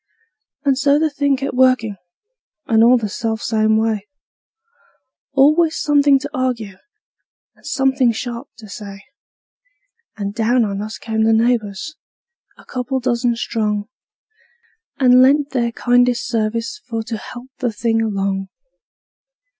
And so the thing kept workin', and all the self same way; Always somethin' to arg'e, and somethin' sharp to say; And down on us came the neighbors, a couple dozen strong, And lent their kindest sarvice for to help the thing along.